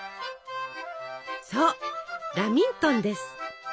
そうラミントンです。